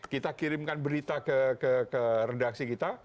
kita kirimkan berita ke redaksi kita